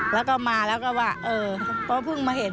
แล้วก็มาแล้วก็ว่าเออเพราะเพิ่งมาเห็น